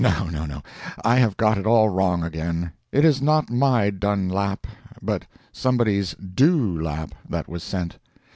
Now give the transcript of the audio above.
No, no, no—I have got it all wrong again. It is not my Dun lap, but somebody's Dew lap that was sent.